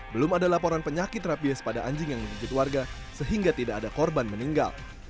belum ada laporan penyakit rabies pada anjing yang menggigit warga sehingga tidak ada korban meninggal